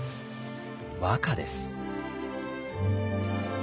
和歌です。